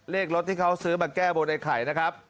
เลขรถที่เขาซื้อมาแก้บนไอ้ไข่นะครับ